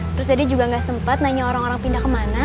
terus dedek juga enggak sempet nanya orang orang pindah kemana